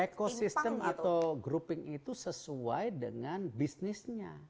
ekosistem atau grouping itu sesuai dengan bisnisnya